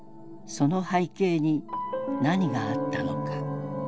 その背景に何があったのか。